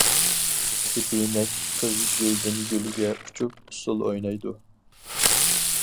كېپىنەك قىز گۈلدىن-گۈلگە ئۇچۇپ ئۇسسۇل ئوينايدۇ.